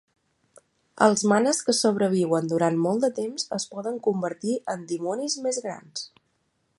Els "manes" que sobreviuen durant molt de temps es poden convertir en dimonis més grans.